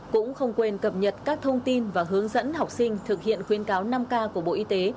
cũng không quên cập nhật các thông tin và hướng dẫn học sinh thực hiện khuyến cáo năm k của bộ y tế